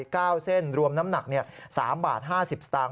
เก้าเส้นรวมน้ำหนัก๓บาท๕๐สตางค์